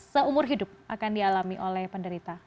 seumur hidup akan dialami oleh penderita